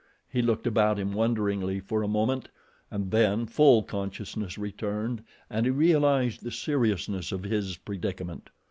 He looked about him wonderingly for a moment, and then full consciousness returned and he realized the seriousness of his predicament.